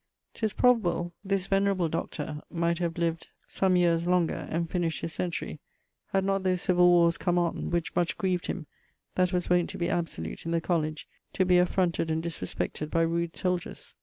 'Tis probable this venerable Dr. might have lived some yeares longer, and finisht his century, had not those civill warres come on: which much grieved him, that was wont to be absolute in the colledge, to be affronted and disrespected by rude soldiers.